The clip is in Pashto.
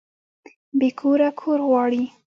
بې کوره کور غواړي